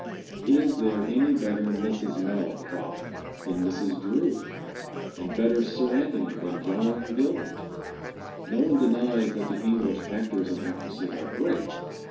Is there any better Mrs. Malaprop than Mrs. Drew, and better Sir Anthony than John Gilbert? No one denies that the English actors and actresses are great.